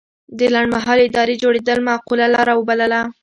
د لنډمهالې ادارې جوړېدل معقوله لاره وبلله.